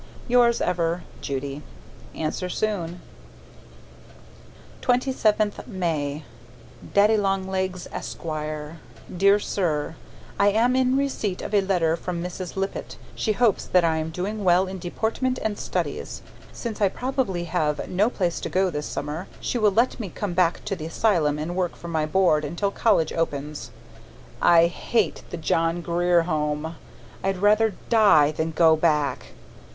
Yours ever, Judy Answer soon. 27th May Daddy Long Legs, Esq. DEAR SIR: I am in receipt of a letter from Mrs. Lippett. She hopes that I am doing well in deportment and studies. Since I probably have no place to go this summer, she will let me come back to the asylum and work for my board until college opens. I HATE THE JOHN GRIER HOME. I'd rather die than go back.